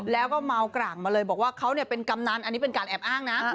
แล้วก็เมากร่างมาเลยบอกว่าเขาเป็นกำนันอันนี้เป็นการแอบอ้างนะ